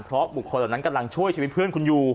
เพราะบุคคลตอนนั้นกำลังช่วยผู้ชายพี่เพื่อนคุณยู